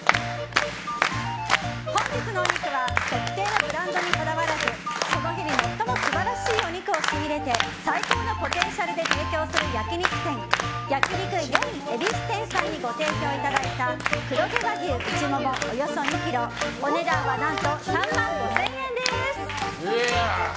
本日のお肉は特定のブランドにこだわらずその日に最も素晴らしいお肉を仕入れて最高のポテンシャルで提供する焼き肉店焼肉よいん恵比寿店さんにご提供いただいた黒毛和牛うちもも、およそ２ｋｇお値段何と３万５０００円です！